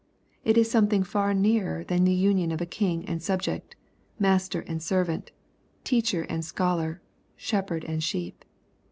It is something far nearer than the union of king and subject, master and servant, teacher and scholar, shepherd and sheep.